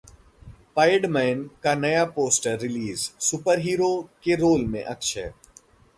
'पैडमैन' का नया poster release, 'superhero' के रोल में अक्षय